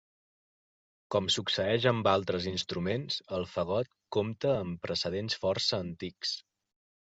Com succeeix amb altres instruments, el fagot compta amb precedents força antics.